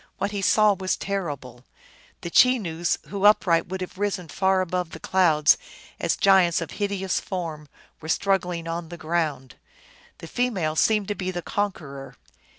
What he saw was terrible ! The Chenoos, who upright would have risen far above the clouds as giants of hideous form, were struggling on the ground. The female seemed to be the con queror.